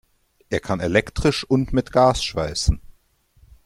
Er kann elektrisch und mit Gas schweißen.